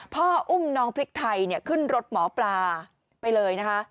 พ่ออุ้มน้องพริกไทยขึ้นรถหมอปลาไปเลยนะคะ